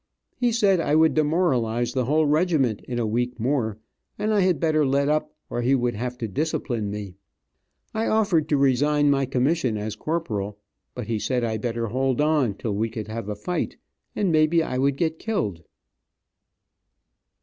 He said I would demoralize the whole regiment in a week more, and I better let up or he would have to discipline me. I offered to resign my commission as Corporal, but he said I better hold on till we could have a fight, and may be I would get killed.